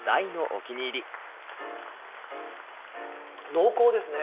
濃厚ですね。